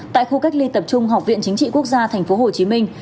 tại khu cách ly tập trung học viện chính trị quốc gia thành phố hồ chí minh